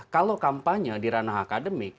kalau kampanye di ranah akademik